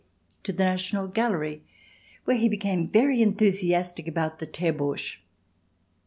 ] to the National Gallery where he became very enthusiastic about the Terbourgs.